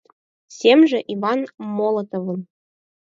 Семже Иван Молотовын